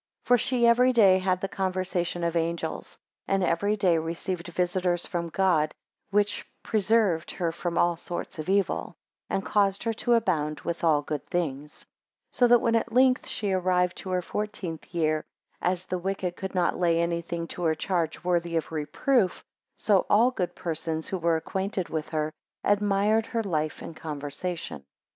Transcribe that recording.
2 For she every day had the conversation of angels, and every day received visitors from God, which preserved her from all sorts of evil, and caused her to abound with all good things; 3 So that when at length she arrived to her fourteenth year, as the wicked could not lay any thing to her charge worthy of reproof, so all good persons, who were acquainted with her, admired her life and conversation.